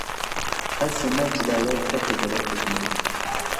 هسي نه چي دا یو ته په زړه خوږمن یې-